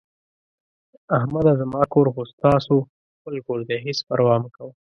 احمده زما کور خو ستاسو خپل کور دی، هېڅ پروا مه کوه...